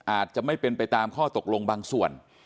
อาจจะไม่เป็นไปตามข้อตกลงบางส่วน